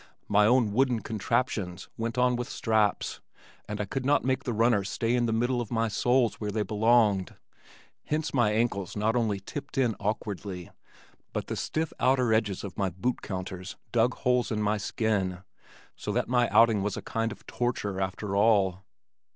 My own wooden "contraptions" went on with straps and I could not make the runners stay in the middle of my soles where they belonged, hence my ankles not only tipped in awkwardly but the stiff outer edges of my boot counters dug holes in my skin so that my outing was a kind of torture after all.